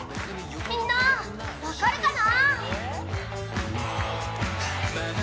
みんな、分かるかな？